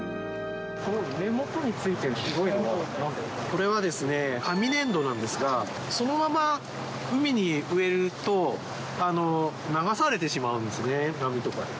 この根元についている白いのこれはですね、紙粘土なんですが、そのまま海に植えると、流されてしまうんですね、波とかで。